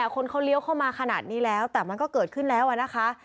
คนเขาเลี้ยวเข้ามาขนาดนี้แล้วแต่มันก็เกิดขึ้นแล้วนะคะ